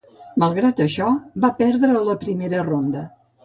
Malgrat això, va perdre a la primera ronda.